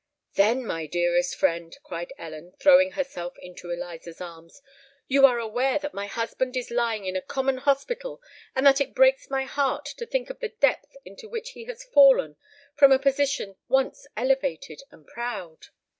"Then, my dearest friend," cried Ellen, throwing herself into Eliza's arms, "you are aware that my husband is lying in a common hospital—and that it breaks my heart to think of the depth into which he has fallen from a position once elevated and proud!"